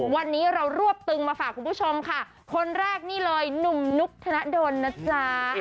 วันนี้เรารวบตึงมาฝากคุณผู้ชมค่ะคนแรกนี่เลยหนุ่มนุกธนดลนะจ๊ะ